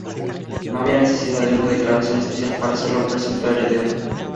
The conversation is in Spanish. No había necesidad de una declaración especial para hacerle presunto heredero.